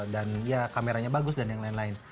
dan ya kameranya bagus dan yang lain lain